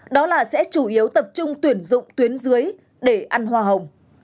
đó là sẽ chủ yếu tập trung tuyển dụng tuyến dưới để ăn hoa hồng